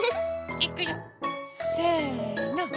いくよせの。